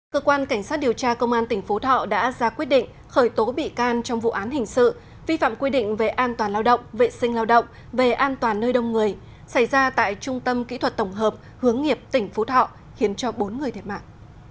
cơ quan cảnh sát điều tra công an tỉnh phú thọ đã ra quyết định khởi tố bị can trong vụ án hình sự vi phạm quy định về an toàn lao động vệ sinh lao động về an toàn nơi đông người xảy ra tại trung tâm kỹ thuật tổng hợp hướng nghiệp tỉnh phú thọ khiến cho bốn người thiệt mạng